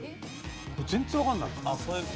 全然わかんない。